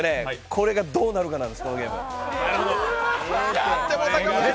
これがどうなるかなんです、このゲーム。